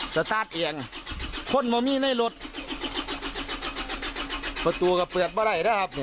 สตาร์ทเองคนมันมีในรถประตูก็เปิดเบาะไรนะครับนี่